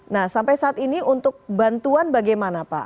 nah sampai saat ini untuk bantuan bagaimana pak